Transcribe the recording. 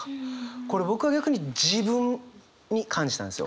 これ僕は逆に自分に感じたんですよ。